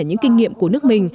những kinh nghiệm của nước mình